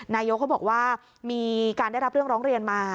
นายกเขาบอกว่ามีการได้รับเรื่องร้องเรียนมา